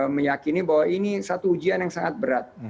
meyakini bahwa ini satu ujian yang sangat berat